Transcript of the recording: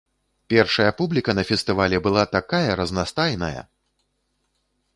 Першая публіка на фестывалі была такая разнастайная!